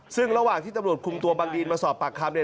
ซึ่งระหว่างที่ตำรวจคุมตัวบังดีนมาสอบปากคำเนี่ย